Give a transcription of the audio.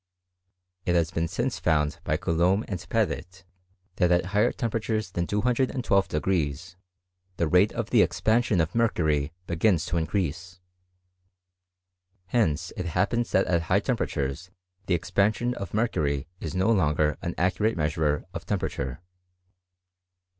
It has been since found by Coulomb and Petit, that at higher temperatures than 212 the rate of the expansion of mercury begins to increase. Hence it happens that at high temperatures the expansion of mercury is no longer an accurate measurer of temperature.